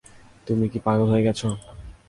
তুমি কি পাগল হয়ে গেছো?